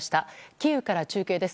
キーウから中継です。